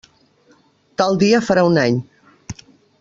Tal dia farà un any.